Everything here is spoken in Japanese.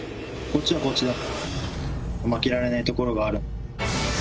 こっちはこっちで負けられないところがある。